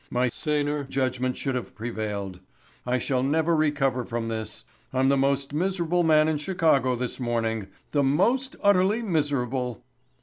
My saner judgment should have prevailed. I shall never recover from this. I'm the most miserable man in Chicago this morning—the most utterly miserable."